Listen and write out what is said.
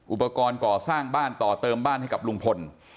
อุปกรณ์ก่อสร้างบ้านต่อเติมบ้านให้กับลุงพล